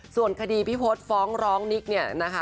ส่วนคดีพี่พลสฟ้องร้องนิ๊ก